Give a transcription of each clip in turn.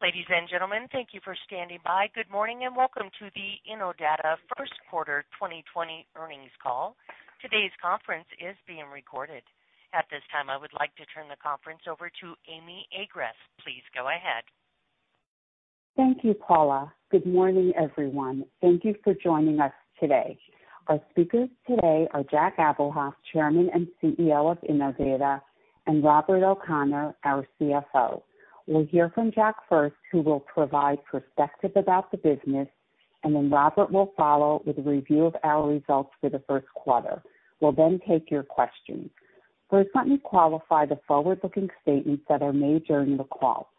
Ladies and gentlemen, thank you for standing by. Good morning and welcome to the Innodata First Quarter 2020 earnings call. Today's conference is being recorded. At this time, I would like to turn the conference over to Amy Agress. Please go ahead. Thank you, Paula. Good morning, everyone. Thank you for joining us today. Our speakers today are Jack Abuhoff, Chairman and CEO of Innodata, and Robert O'Connor, our CFO. We'll hear from Jack first, who will provide perspective about the business, and then Robert will follow with a review of our results for the first quarter. We'll then take your questions. First, let me qualify the forward-looking statements that are made during the call.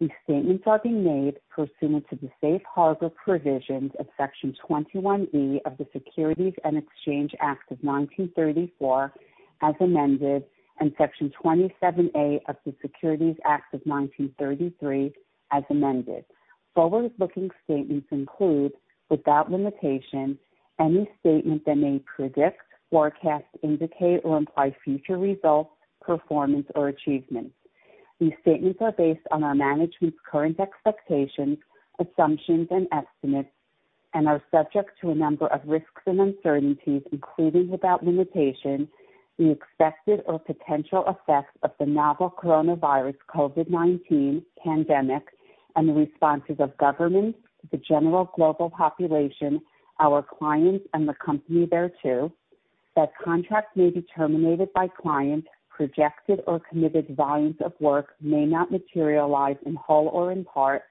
These statements are being made pursuant to the safe harbor provisions of Section 21E of the Securities Exchange Act of 1934, as amended, and Section 27A of the Securities Act of 1933, as amended. Forward-looking statements include, without limitation, any statement that may predict, forecast, indicate, or imply future results, performance, or achievements. These statements are based on our management's current expectations, assumptions, and estimates, and are subject to a number of risks and uncertainties, including without limitation, the expected or potential effects of the novel coronavirus COVID-19 pandemic, and the responses of governments, the general global population, our clients, and the company thereto. That contracts may be terminated by clients, projected or committed volumes of work may not materialize in whole or in part,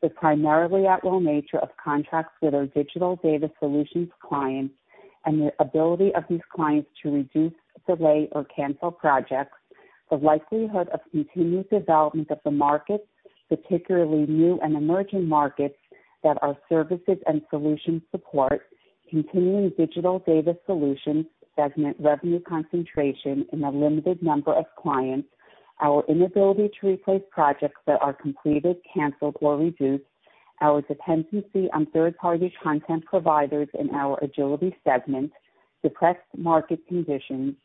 but primarily at-will nature of contracts with our Digital Data Solutions clients, and the ability of these clients to reduce, delay, or cancel projects, the likelihood of continued development of the markets, particularly new and emerging markets that our services and solutions support, continuing digital data solutions segment revenue concentration in a limited number of clients, our inability to replace projects that are completed, canceled, or reduced. Our dependency on third-party content providers in our Agility segment, depressed market conditions,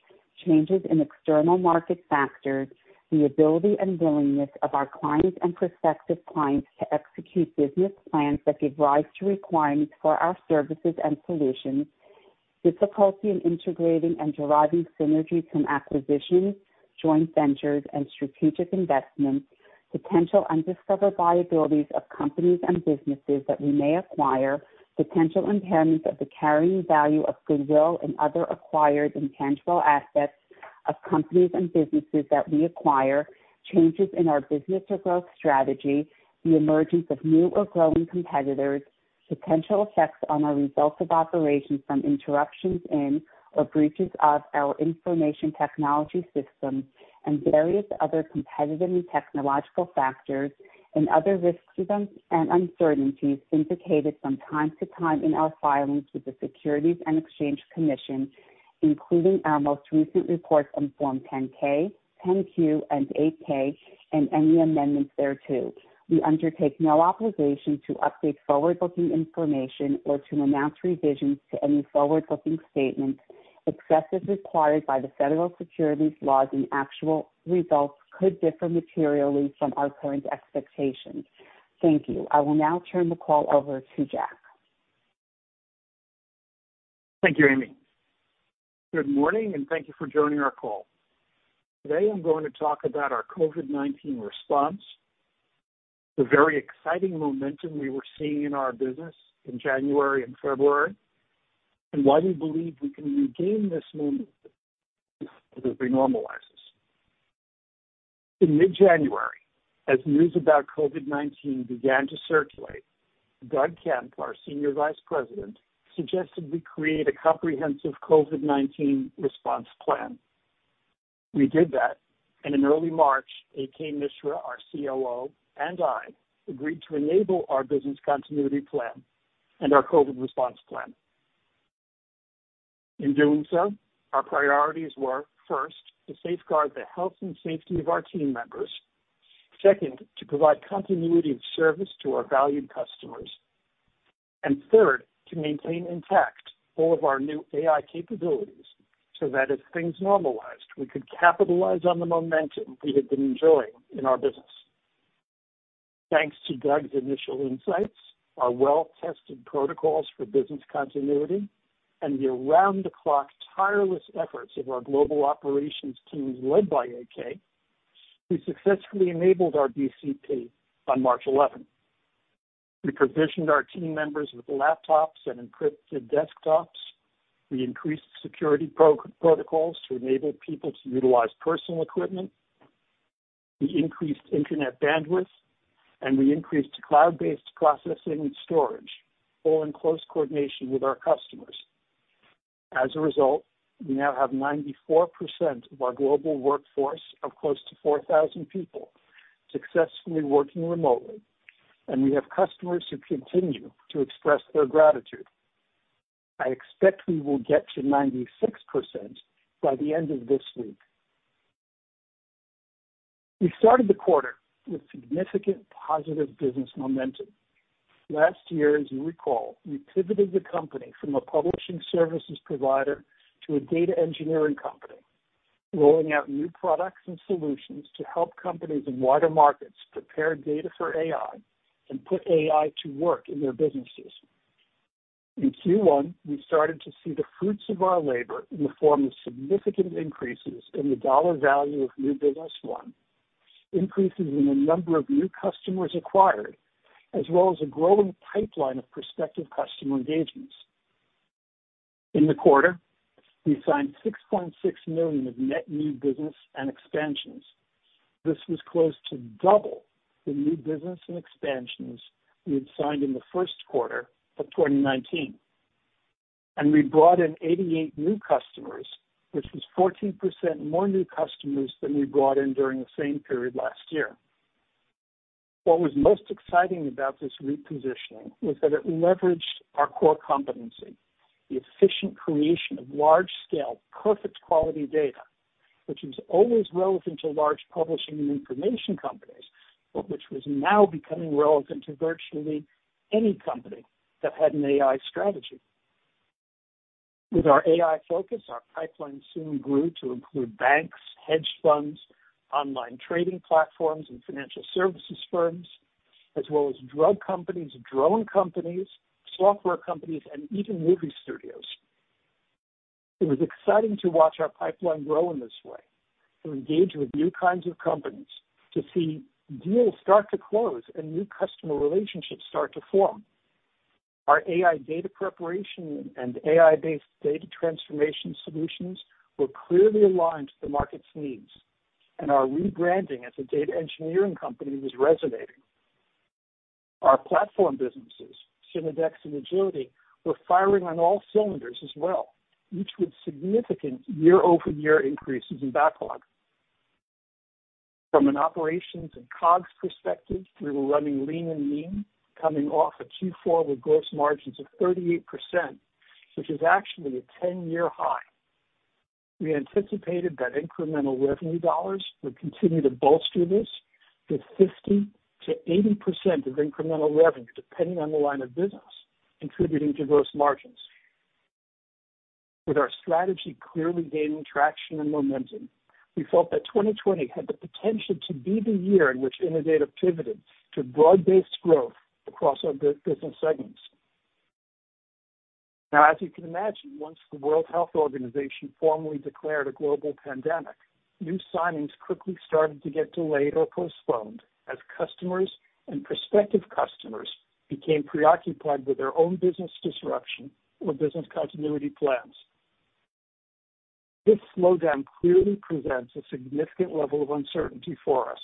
changes in external market factors, the ability and willingness of our clients and prospective clients to execute business plans that give rise to requirements for our services and solutions, difficulty in integrating and deriving synergies from acquisitions, joint ventures, and strategic investments, potential undiscovered liabilities of companies and businesses that we may acquire, potential impairments of the carrying value of goodwill and other acquired intangible assets of companies and businesses that we acquire, changes in our business or growth strategy. The emergence of new or growing competitors, potential effects on our results of operations from interruptions in or breaches of our information technology system, and various other competitive and technological factors, and other risks and uncertainties indicated from time to time in our filings with the Securities and Exchange Commission, including our most recent reports on Form 10-K, 10-Q, and 8-K, and any amendments thereto. We undertake no obligation to update forward-looking information or to announce revisions to any forward-looking statements. Except as required by the federal securities laws, actual results could differ materially from our current expectations. Thank you. I will now turn the call over to Jack. Thank you, Amy. Good morning and thank you for joining our call. Today I'm going to talk about our COVID-19 response, the very exciting momentum we were seeing in our business in January and February, and why we believe we can regain this momentum as it normalizes. In mid-January, as news about COVID-19 began to circulate, Doug Campos, our Senior Vice President, suggested we create a comprehensive COVID-19 response plan. We did that, and in early March, A.K. Mishra, our COO, and I agreed to enable our business continuity plan and our COVID response plan. In doing so, our priorities were, first, to safeguard the health and safety of our team members, second, to provide continuity of service to our valued customers, and third, to maintain intact all of our new AI capabilities so that if things normalized, we could capitalize on the momentum we had been enjoying in our business. Thanks to Doug's initial insights, our well-tested protocols for business continuity, and the around-the-clock tireless efforts of our global operations teams led by A.K., we successfully enabled our BCP on March 11th. We provisioned our team members with laptops and encrypted desktops. We increased security protocols to enable people to utilize personal equipment. We increased internet bandwidth, and we increased cloud-based processing and storage, all in close coordination with our customers. As a result, we now have 94% of our global workforce of close to 4,000 people successfully working remotely, and we have customers who continue to express their gratitude. I expect we will get to 96% by the end of this week. We started the quarter with significant positive business momentum. Last year, as you recall, we pivoted the company from a publishing services provider to a data engineering company, rolling out new products and solutions to help companies in wider markets prepare data for AI and put AI to work in their businesses. In Q1, we started to see the fruits of our labor in the form of significant increases in the dollar value of new business runs, increases in the number of new customers acquired, as well as a growing pipeline of prospective customer engagements. In the quarter, we signed $6.6 million of net new business and expansions. This was close to double the new business and expansions we had signed in the first quarter of 2019. And we brought in 88 new customers, which was 14% more new customers than we brought in during the same period last year. What was most exciting about this repositioning was that it leveraged our core competency: the efficient creation of large-scale, perfect-quality data, which was always relevant to large publishing and information companies, but which was now becoming relevant to virtually any company that had an AI strategy. With our AI focus, our pipeline soon grew to include banks, hedge funds, online trading platforms, and financial services firms, as well as drug companies, drone companies, software companies, and even movie studios. It was exciting to watch our pipeline grow in this way, to engage with new kinds of companies, to see deals start to close and new customer relationships start to form. Our AI data preparation and AI-based data transformation solutions were clearly aligned to the market's needs, and our rebranding as a data engineering company was resonating. Our platform businesses, Synodex and Agility, were firing on all cylinders as well, each with significant year-over-year increases in backlog. From an operations and COGS perspective, we were running lean and mean, coming off a Q4 with gross margins of 38%, which is actually a 10-year high. We anticipated that incremental revenue dollars would continue to bolster this, with 50%-80% of incremental revenue, depending on the line of business, contributing to gross margins. With our strategy clearly gaining traction and momentum, we felt that 2020 had the potential to be the year in which Innodata pivoted to broad-based growth across our business segments. Now, as you can imagine, once the World Health Organization formally declared a global pandemic, new signings quickly started to get delayed or postponed as customers and prospective customers became preoccupied with their own business disruption or business continuity plans. This slowdown clearly presents a significant level of uncertainty for us.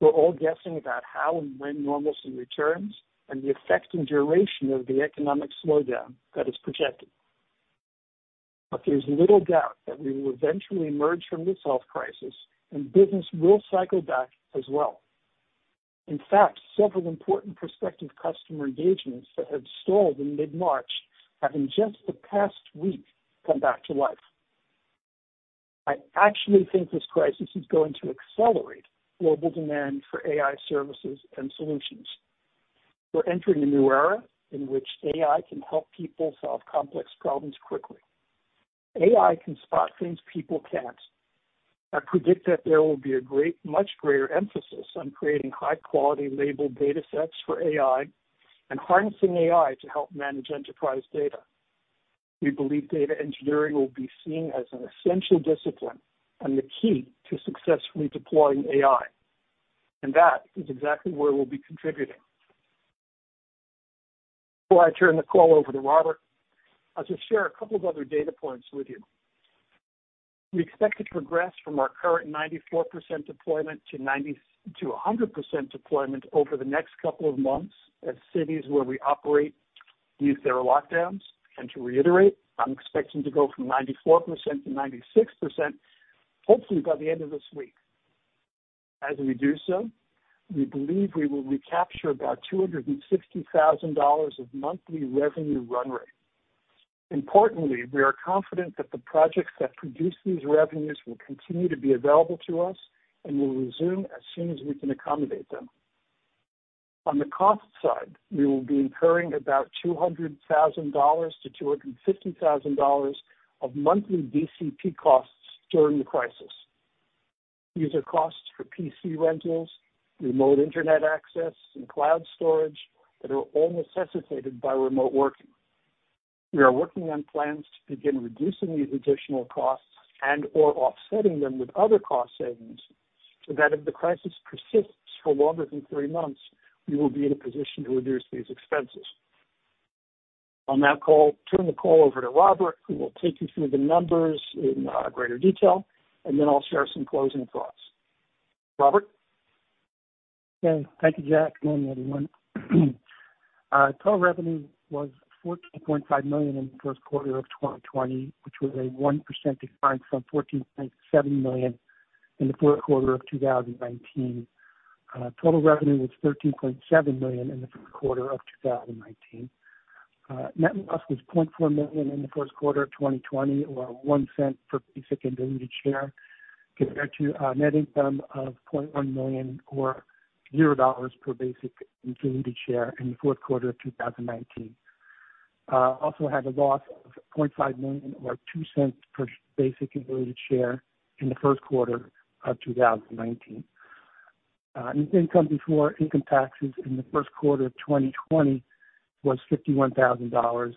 We're all guessing about how and when normalcy returns and the effect and duration of the economic slowdown that is projected. But there's little doubt that we will eventually emerge from this health crisis, and business will cycle back as well. In fact, several important prospective customer engagements that had stalled in mid-March have in just the past week come back to life. I actually think this crisis is going to accelerate global demand for AI services and solutions. We're entering a new era in which AI can help people solve complex problems quickly. AI can spot things people can't. I predict that there will be a much greater emphasis on creating high-quality labeled data sets for AI and harnessing AI to help manage enterprise data. We believe data engineering will be seen as an essential discipline and the key to successfully deploying AI, and that is exactly where we'll be contributing. Before I turn the call over to Robert, I'll just share a couple of other data points with you. We expect to progress from our current 94% deployment to 100% deployment over the next couple of months as cities where we operate use their lockdowns. To reiterate, I'm expecting to go from 94%-96%, hopefully by the end of this week. As we do so, we believe we will recapture about $260,000 of monthly revenue run rate. Importantly, we are confident that the projects that produce these revenues will continue to be available to us and will resume as soon as we can accommodate them. On the cost side, we will be incurring about $200,000-$250,000 of monthly BCP costs during the crisis. These are costs for PC rentals, remote internet access, and cloud storage that are all necessitated by remote working. We are working on plans to begin reducing these additional costs and/or offsetting them with other cost savings so that if the crisis persists for longer than three months, we are in a position to reduce these expenses. On that call, turn the call over to Robert, who will take you through the numbers in greater detail, and then I'll share some closing thoughts. Robert? Yeah, thank you, Jack, and everyone. Total revenue was $14.5 million in the first quarter of 2020, which was a 1% decline from $14.7 million in the fourth quarter of 2019. Total revenue was $13.7 million in the fourth quarter of 2019. Net loss was $0.4 million in the first quarter of 2020, or $0.01 per basic and diluted share, compared to net income of $0.1 million or $0 per basic and diluted share in the fourth quarter of 2019. Also had a loss of $0.5 million or $0.02 per basic and diluted share in the first quarter of 2019. Income before income taxes in the first quarter of 2020 was $51,000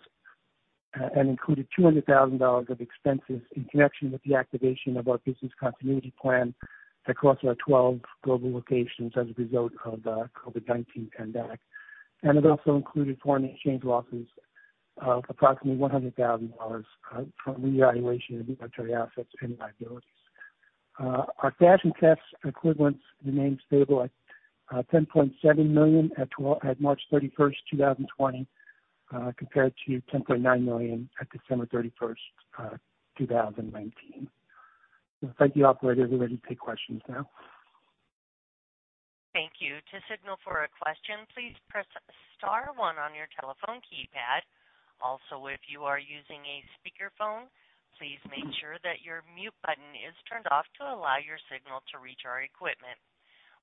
and included $200,000 of expenses in connection with the activation of our business continuity plan across our 12 global locations as a result of the COVID-19 pandemic. It also included foreign exchange losses of approximately $100,000 from revaluation of inventory assets and liabilities. Our cash and cash equivalents remained stable at $10.7 million at March 31st, 2020, compared to $10.9 million at December 31st, 2019. Thank you, Operator. We're ready to take questions now. Thank you. To signal for a question, please press one on your telephone keypad. Also, if you are using a speakerphone, please make sure that your mute button is turned off to allow your signal to reach our equipment.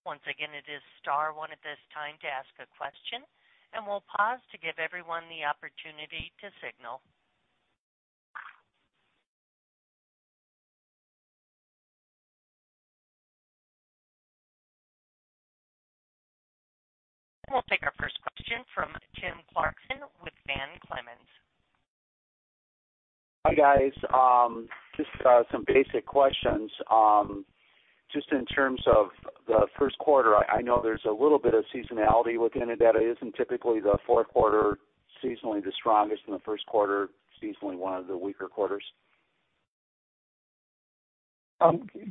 Once again, it is star one at this time to ask a question, and we'll pause to give everyone the opportunity to signal. And we'll take our first question from Tim Clarkson with Van Clemens. Hi, guys. Just some basic questions. Just in terms of the first quarter, I know there's a little bit of seasonality with Innodata. Isn't typically the fourth quarter seasonally the strongest and the first quarter seasonally one of the weaker quarters?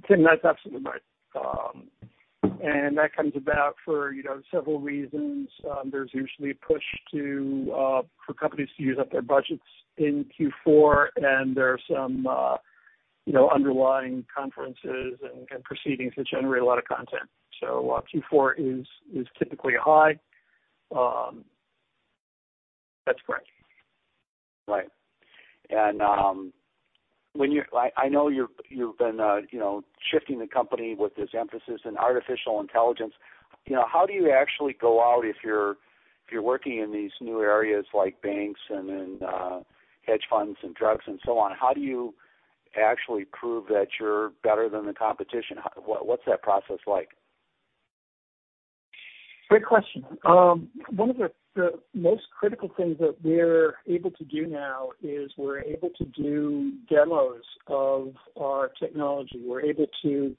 Tim, that's absolutely right. And that comes about for several reasons. There's usually a push for companies to use up their budgets in Q4, and there are some underlying conferences and proceedings that generate a lot of content. So Q4 is typically high. That's correct. Right, and I know you've been shifting the company with this emphasis in artificial intelligence. How do you actually go out if you're working in these new areas like banks and hedge funds and drugs and so on? How do you actually prove that you're better than the competition? What's that process like? Great question. One of the most critical things that we're able to do now is we're able to do demos of our technology. We're able to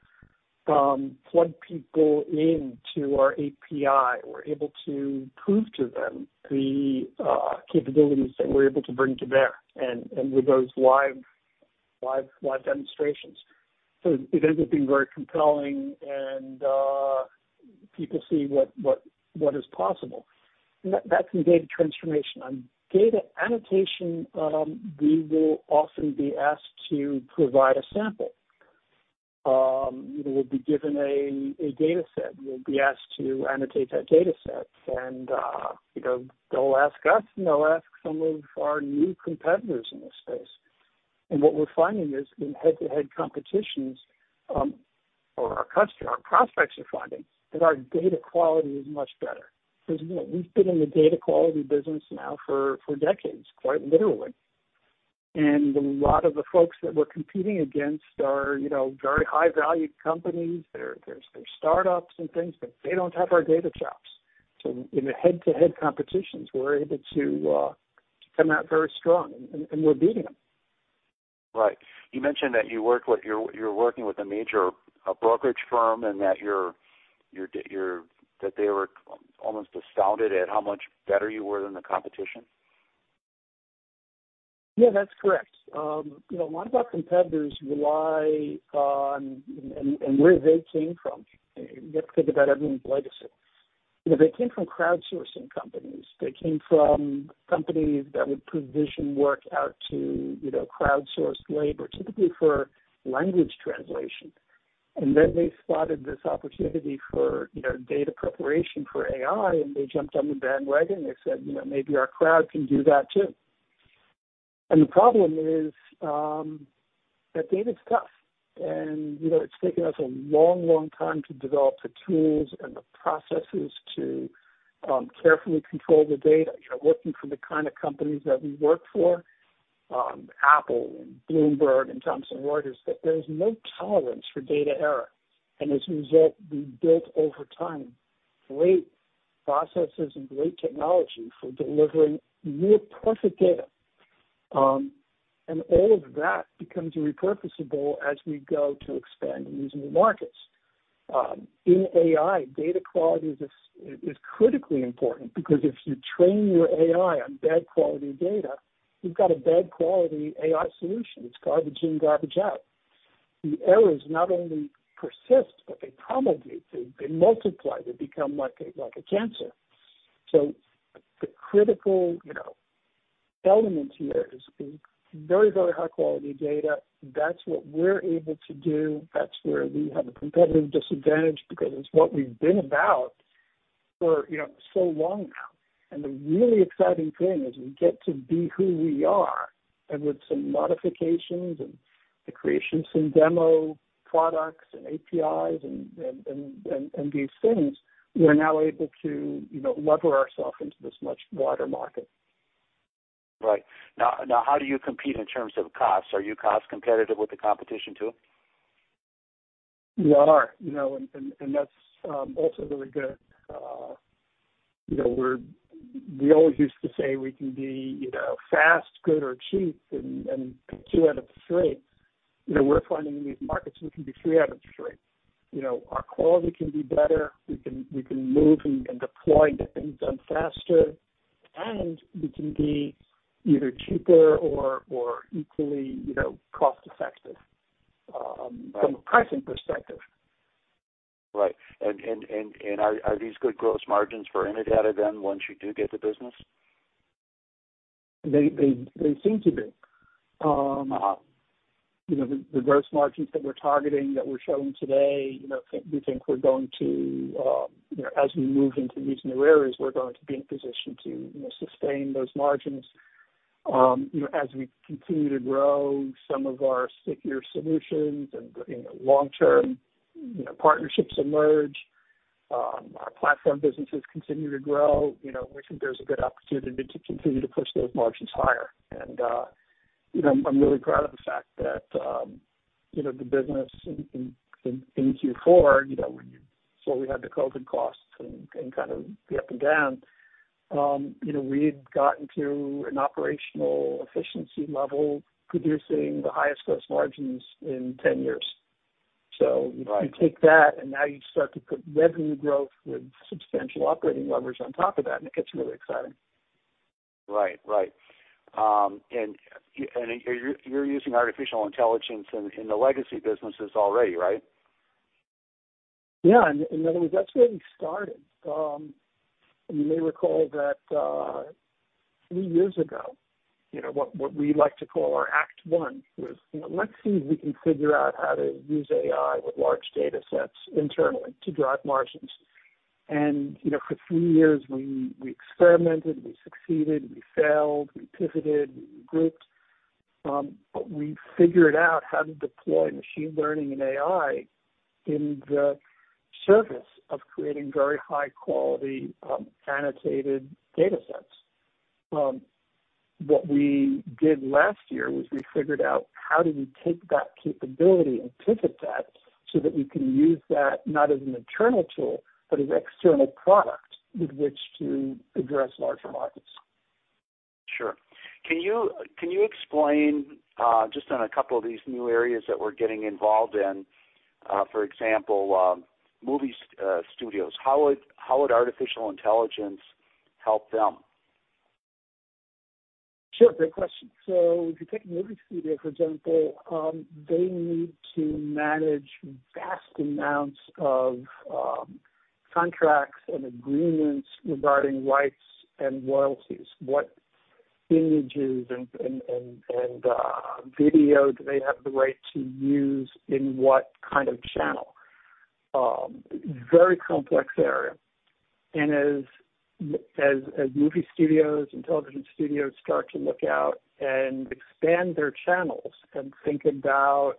plug people into our API. We're able to prove to them the capabilities that we're able to bring to bear and with those live demonstrations. So it ends up being very compelling, and people see what is possible. And that's in data transformation. On data annotation, we will often be asked to provide a sample. We'll be given a data set. We'll be asked to annotate that data set, and they'll ask us, and they'll ask some of our new competitors in this space. And what we're finding is in head-to-head competitions, or our prospects are finding, that our data quality is much better. We've been in the data quality business now for decades, quite literally. A lot of the folks that we're competing against are very high-valued companies. There's startups and things, but they don't have our data chops. In the head-to-head competitions, we're able to come out very strong, and we're beating them. Right. You mentioned that you were working with a major brokerage firm and that they were almost astounded at how much better you were than the competition. Yeah, that's correct. A lot of our competitors rely on, and where they came from, you have to think about everyone's legacy. They came from crowdsourcing companies. They came from companies that would provision work out to crowdsourced labor, typically for language translation. And then they spotted this opportunity for data preparation for AI, and they jumped on the bandwagon and said, "Maybe our crowd can do that too." And the problem is that data is tough, and it's taken us a long, long time to develop the tools and the processes to carefully control the data. Working for the kind of companies that we work for, Apple and Bloomberg and Thomson Reuters, there's no tolerance for data error. And as a result, we built over time great processes and great technology for delivering more perfect data. And all of that becomes repurposable as we go to expand in these new markets. In AI, data quality is critically important because if you train your AI on bad quality data, you've got a bad quality AI solution. It's garbage in, garbage out. The errors not only persist, but they promulgate. They multiply. They become like a cancer. So the critical element here is very, very high-quality data. That's what we're able to do. That's where we have a competitive disadvantage because it's what we've been about for so long now. And the really exciting thing is we get to be who we are. And with some modifications and the creation of some demo products and APIs and these things, we're now able to lever ourselves into this much wider market. Right. Now, how do you compete in terms of costs? Are you cost competitive with the competition too? We are, and that's also really good. We always used to say we can be fast, good, or cheap and pick two out of three. We're finding in these markets we can be three out of three. Our quality can be better. We can move and deploy things faster, and we can be either cheaper or equally cost-effective from a pricing perspective. Right. And are these good gross margins for Innodata then once you do get the business? They seem to be. The gross margins that we're targeting that we're showing today, we think we're going to, as we move into these new areas, we're going to be in a position to sustain those margins. As we continue to grow, some of our stickier solutions and long-term partnerships emerge. Our platform businesses continue to grow. We think there's a good opportunity to continue to push those margins higher. And I'm really proud of the fact that the business in Q4, when you saw we had the COVID costs and kind of the up and down, we had gotten to an operational efficiency level producing the highest gross margins in 10 years. So you take that, and now you start to put revenue growth with substantial operating levers on top of that, and it gets really exciting. Right, right. And you're using artificial intelligence in the legacy businesses already, right? Yeah. In other words, that's where we started. You may recall that three years ago, what we like to call our Act One was, "Let's see if we can figure out how to use AI with large data sets internally to drive margins." And for three years, we experimented. We succeeded. We failed. We pivoted. We regrouped. But we figured out how to deploy machine learning and AI in the service of creating very high-quality annotated data sets. What we did last year was we figured out how do we take that capability and pivot that so that we can use that not as an internal tool, but as an external product with which to address larger markets. Sure. Can you explain just on a couple of these new areas that we're getting involved in, for example, movie studios? How would artificial intelligence help them? Sure. Great question. So if you take a movie studio, for example, they need to manage vast amounts of contracts and agreements regarding rights and royalties. What images and video do they have the right to use in what kind of channel? Very complex area. And as movie studios and television studios start to look out and expand their channels and think about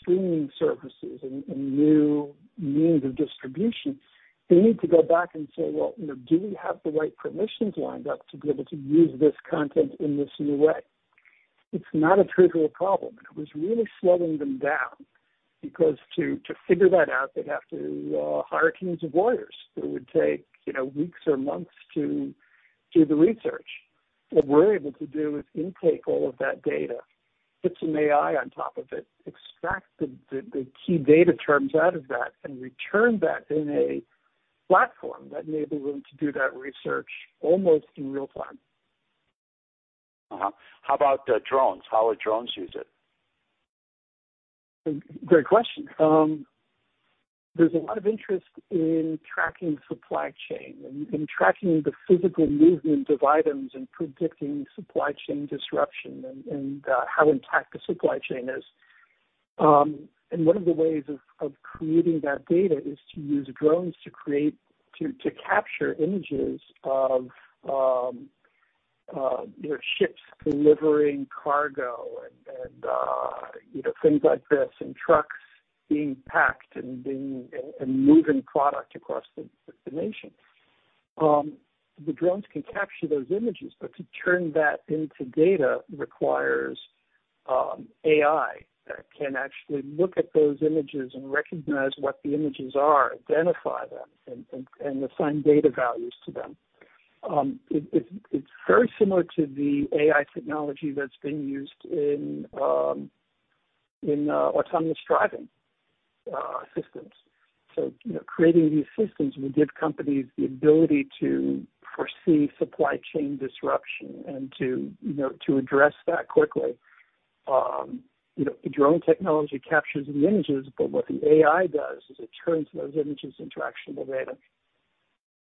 streaming services and new means of distribution, they need to go back and say, "Well, do we have the right permissions lined up to be able to use this content in this new way?" It's not a trivial problem. It was really slowing them down because to figure that out, they'd have to hire teams of lawyers who would take weeks or months to do the research. What we're able to do is intake all of that data, put some AI on top of it, extract the key data terms out of that, and return that in a platform that enables them to do that research almost in real time. How about drones? How are drones used? Great question. There's a lot of interest in tracking supply chain and tracking the physical movement of items and predicting supply chain disruption and how intact the supply chain is, and one of the ways of creating that data is to use drones to capture images of ships delivering cargo and things like this and trucks being packed and moving product across the nation. The drones can capture those images, but to turn that into data requires AI that can actually look at those images and recognize what the images are, identify them, and assign data values to them. It's very similar to the AI technology that's been used in autonomous driving systems, so creating these systems will give companies the ability to foresee supply chain disruption and to address that quickly. The drone technology captures the images, but what the AI does is it turns those images into actionable data.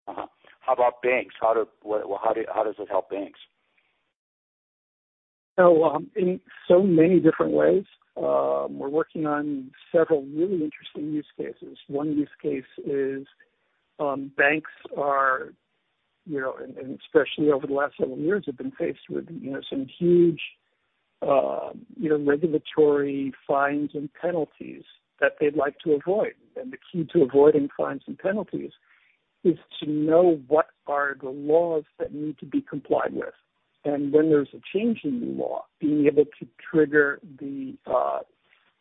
How about banks? How does it help banks? So in so many different ways. We're working on several really interesting use cases. One use case is banks are, and especially over the last several years, have been faced with some huge regulatory fines and penalties that they'd like to avoid. And the key to avoiding fines and penalties is to know what are the laws that need to be complied with. And when there's a change in the law, being able to trigger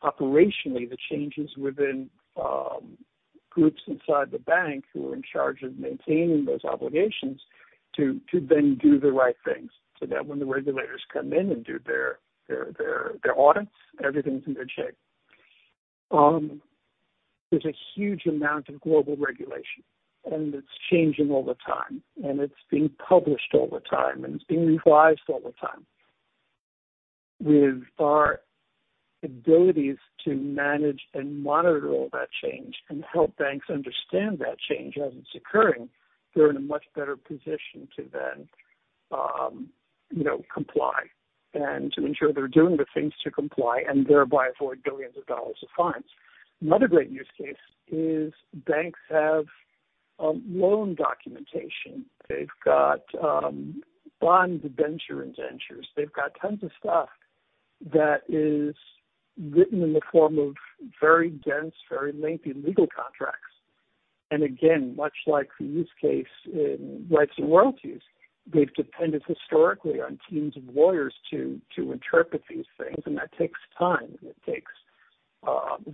operationally the changes within groups inside the bank who are in charge of maintaining those obligations to then do the right things so that when the regulators come in and do their audits, everything's in good shape. There's a huge amount of global regulation, and it's changing all the time, and it's being published all the time, and it's being revised all the time. With our abilities to manage and monitor all that change and help banks understand that change as it's occurring, they're in a much better position to then comply and to ensure they're doing the things to comply and thereby avoid billions of dollars of fines. Another great use case is banks have loan documentation. They've got bond debenture indentures. They've got tons of stuff that is written in the form of very dense, very lengthy legal contracts. And again, much like the use case in rights and royalties, they've depended historically on teams of lawyers to interpret these things, and that takes time. It takes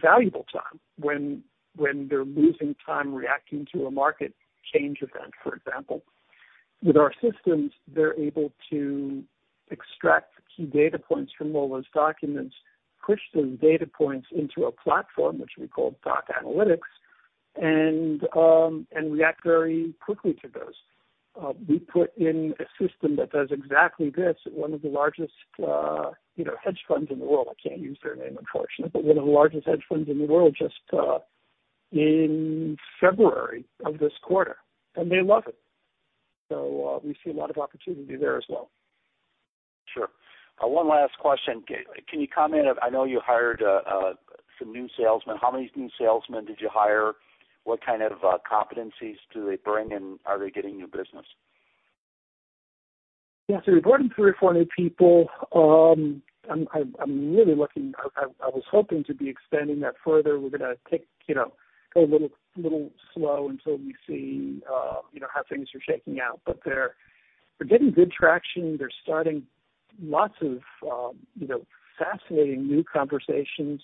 valuable time when they're losing time reacting to a market change event, for example. With our systems, they're able to extract key data points from all those documents, push those data points into a platform, which we call docAnalytics, and react very quickly to those. We put in a system that does exactly this at one of the largest hedge funds in the world. I can't use their name, unfortunately, but one of the largest hedge funds in the world just in February of this quarter, and they love it. So we see a lot of opportunity there as well. Sure. One last question. Can you comment? I know you hired some new salesmen. How many new salesmen did you hire? What kind of competencies do they bring, and are they getting new business? Yeah. So we brought in three or four new people. I'm really looking. I was hoping to be expanding that further. We're going to take a little slow until we see how things are shaking out. But they're getting good traction. They're starting lots of fascinating new conversations.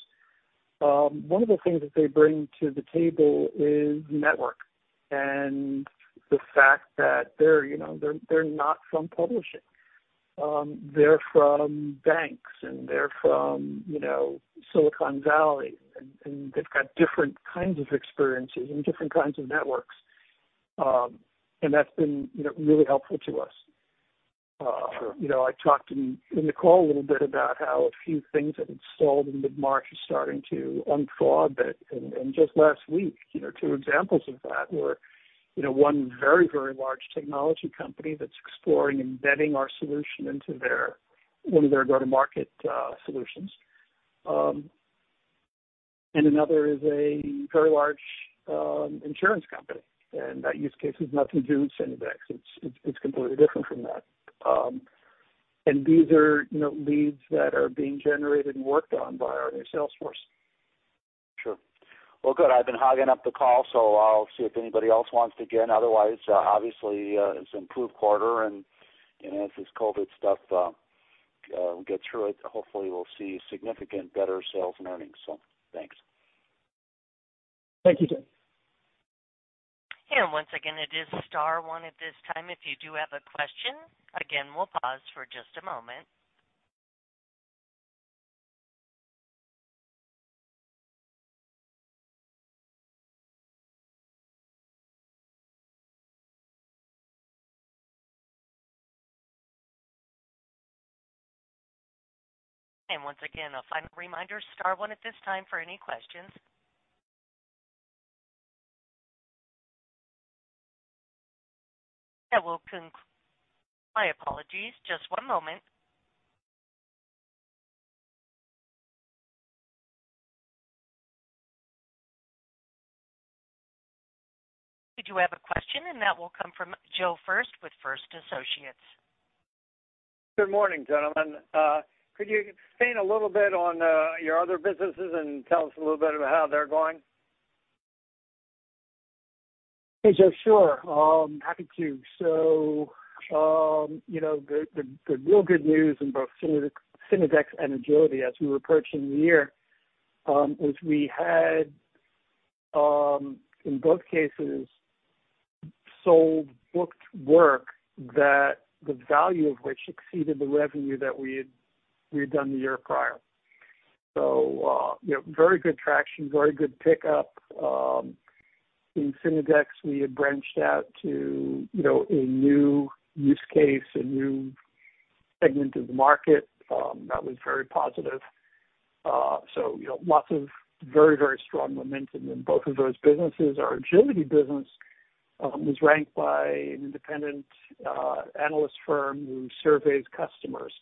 One of the things that they bring to the table is network and the fact that they're not from publishing. They're from banks, and they're from Silicon Valley, and they've got different kinds of experiences and different kinds of networks. And that's been really helpful to us. I talked in the call a little bit about how a few things that had stalled in mid-March are starting to unfold a bit. And just last week, two examples of that were one very, very large technology company that's exploring embedding our solution into one of their go-to-market solutions. Another is a very large insurance company. That use case is not to do Synodex. It's completely different from that. These are leads that are being generated and worked on by our new sales force. Sure. Well, good. I've been hogging up the call, so I'll see if anybody else wants to get in. Otherwise, obviously, it's an improved quarter. And as this COVID stuff gets through it, hopefully, we'll see significant better sales and earnings. So thanks. Thank you, Tim. And once again, it is star one at this time. If you do have a question, again, we'll pause for just a moment. And once again, a final reminder, star one at this time for any questions. That will conclude. My apologies. Just one moment. If you do have a question, and that will come from Joe Furst with Furst Associates. Good morning, gentlemen. Could you expand a little bit on your other businesses and tell us a little bit about how they're going? Hey, Joe, sure. I'm happy to. So the real good news in both Synodex and Agility, as we were approaching the year, was we had, in both cases, sold booked work that the value of which exceeded the revenue that we had done the year prior. So very good traction, very good pickup. In Synodex, we had branched out to a new use case, a new segment of the market. That was very positive. So lots of very, very strong momentum in both of those businesses. Our Agility business was ranked by an independent analyst firm who surveys customers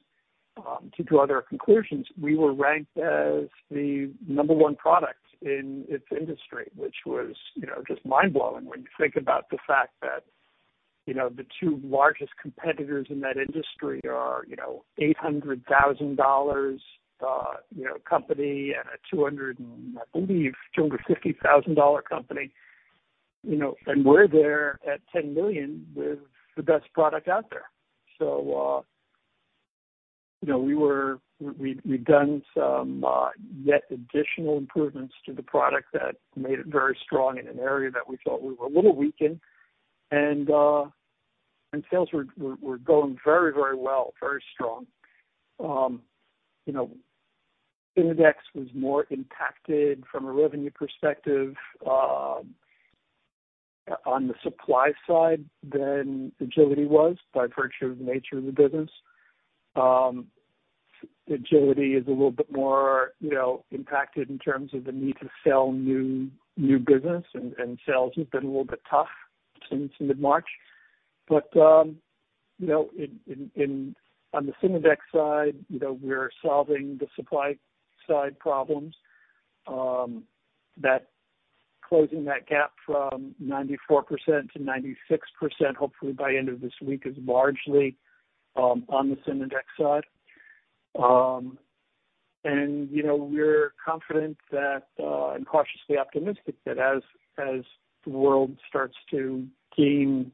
to draw their conclusions. We were ranked as the number one product in its industry, which was just mind-blowing when you think about the fact that the two largest competitors in that industry are an $800,000 company and I believe, $250,000 company. And we're there at $10 million with the best product out there. So we've done some yet additional improvements to the product that made it very strong in an area that we thought we were a little weak in. And sales were going very, very well, very strong. Synodex was more impacted from a revenue perspective on the supply side than Agility was by virtue of the nature of the business. Agility is a little bit more impacted in terms of the need to sell new business, and sales have been a little bit tough since mid-March. But on the Synodex side, we're solving the supply side problems. Closing that gap from 94%-96%, hopefully, by the end of this week is largely on the Synodex side. We're confident and cautiously optimistic that as the world starts to gain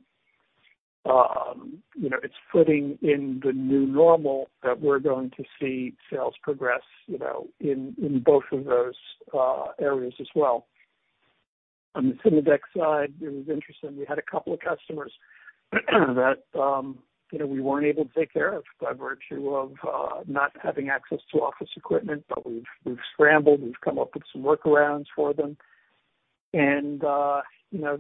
its footing in the new normal, that we're going to see sales progress in both of those areas as well. On the Synodex side, it was interesting. We had a couple of customers that we weren't able to take care of by virtue of not having access to office equipment, but we've scrambled. We've come up with some workarounds for them. And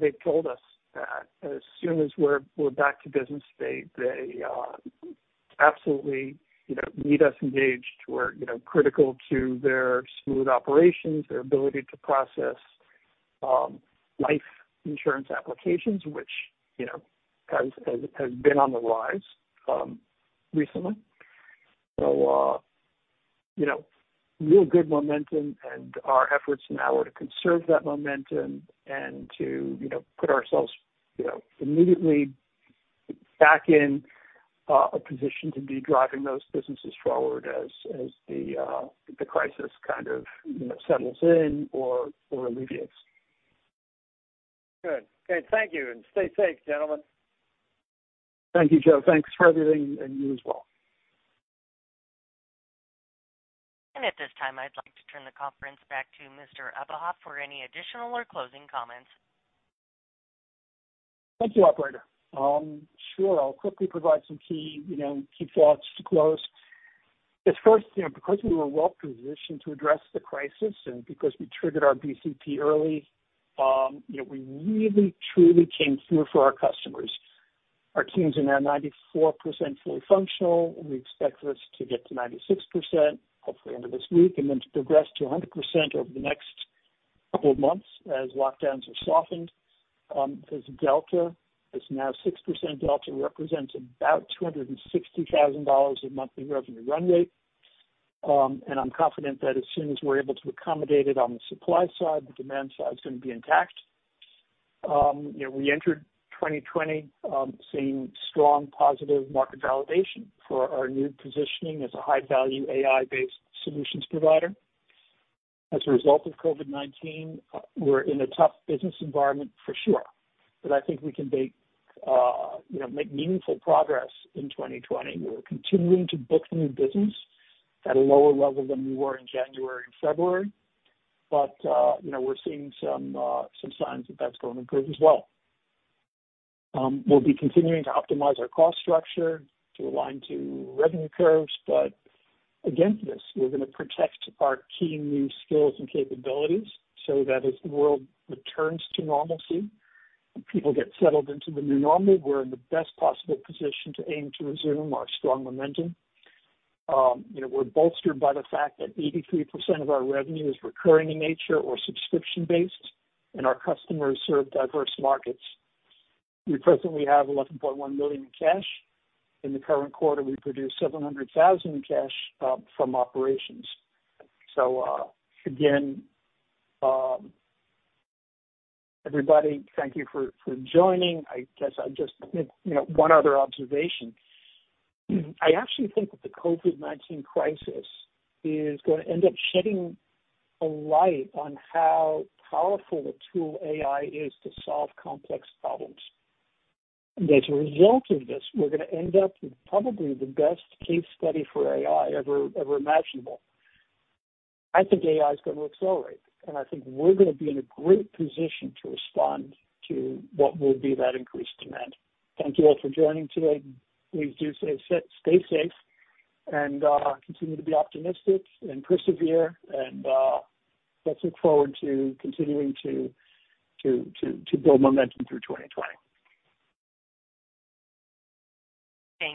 they've told us that as soon as we're back to business, they absolutely need us engaged. We're critical to their smooth operations, their ability to process life insurance applications, which has been on the rise recently. So real good momentum, and our efforts now are to conserve that momentum and to put ourselves immediately back in a position to be driving those businesses forward as the crisis kind of settles in or alleviates. Good. Okay. Thank you. And stay safe, gentlemen. Thank you, Joe. Thanks for everything, and you as well. At this time, I'd like to turn the conference back to Mr. Abuhoff for any additional or closing comments. Thank you, Operator. Sure. I'll quickly provide some key thoughts to close. First, because we were well-positioned to address the crisis and because we triggered our BCP early, we really truly came through for our customers. Our teams are now 94% fully functional. We expect this to get to 96% hopefully end of this week and then to progress to 100% over the next couple of months as lockdowns are softened. This delta is now 6%. Delta represents about $260,000 of monthly revenue run rate. And I'm confident that as soon as we're able to accommodate it on the supply side, the demand side is going to be intact. We entered 2020 seeing strong positive market validation for our new positioning as a high-value AI-based solutions provider. As a result of COVID-19, we're in a tough business environment for sure, but I think we can make meaningful progress in 2020. We're continuing to book new business at a lower level than we were in January and February, but we're seeing some signs that that's going to improve as well. We'll be continuing to optimize our cost structure to align to revenue curves, but against this, we're going to protect our key new skills and capabilities so that as the world returns to normalcy and people get settled into the new normal, we're in the best possible position to aim to resume our strong momentum. We're bolstered by the fact that 83% of our revenue is recurring in nature or subscription-based, and our customers serve diverse markets. We presently have $11.1 million in cash. In the current quarter, we produced $700,000 in cash from operations. So again, everybody, thank you for joining. I guess I just think one other observation. I actually think that the COVID-19 crisis is going to end up shedding a light on how powerful a tool AI is to solve complex problems, and as a result of this, we're going to end up with probably the best case study for AI ever imaginable. I think AI is going to accelerate, and I think we're going to be in a great position to respond to what will be that increased demand. Thank you all for joining today. Please do stay safe and continue to be optimistic and persevere, and let's look forward to continuing to build momentum through 2020. Thank.